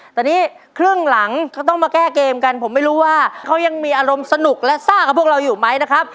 แต่นี่ครึ่งหลังเขาต้องมาแก้เกมกันผมไม่รู้ว่าเขายังมีอารมณ์สนุกและซ่ากับพวกเราอยู่ไหมนะครับ